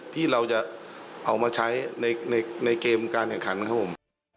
ที่เราจะเอามาใช้ในเกมการแข่งขันครับผม